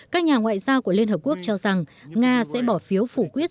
các nhà ngoại giao của liên hợp quốc cho rằng nga sẽ bỏ phiếu phủ quyết